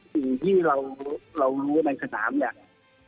สิ่งที่เรารู้ในสตาภัยนี้